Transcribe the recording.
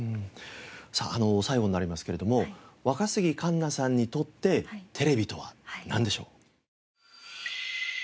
さあ最後になりますけれども若杉栞南さんにとってテレビとはなんでしょう？